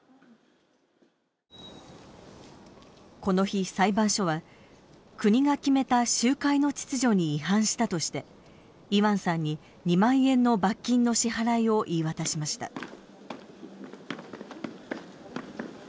この日、裁判所は国が決めた集会の秩序に違反したとしてイワンさんに、２万円の罰金の支払いを言い渡しました。